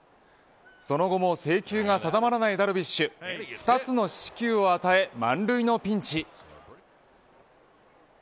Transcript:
その後も制球が定まらないダルビッシュ２つの四死球を与え満塁のピンチ。